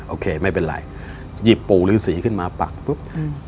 โอเคไม่เป็นไรหยิบปู่ฤษีขึ้นมาปักปุ๊บ